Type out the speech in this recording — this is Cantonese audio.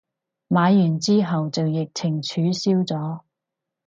買完之後就疫情取消咗